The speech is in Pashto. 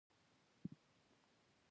راکټ انسان له محدود ژوند نه فضا ته بوتلو